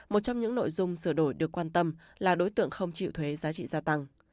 một trong những nội dung sửa đổi được quan tâm là đối tượng không chịu thuế giá trị gia tăng